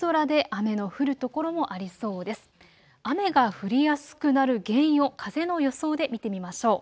雨が降りやすくなる原因を風の予想で見てみましょう。